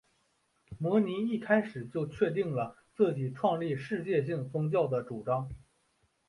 摩尼一开始就确定了自己创立世界性宗教的主张。